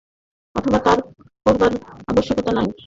অথবা তাও করবার আবশ্যকতা নেই।